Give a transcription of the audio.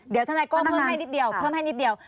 เดี๋ยวทนายโก้เพิ่มให้นิดเดียวเพิ่มให้นิดเดียว